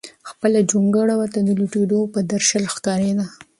خپله جونګړه ورته د لوټېدو په درشل ښکارېده.